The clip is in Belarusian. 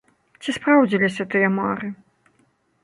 Ці спраўдзіліся тыя мары?